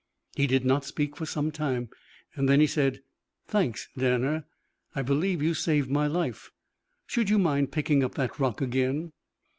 He did not speak for some time. Then he said: "Thanks, Danner. I believe you saved my life. Should you mind picking up that rock again?"